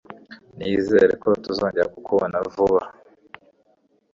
Nizere ko tuzongera kukubona vuba.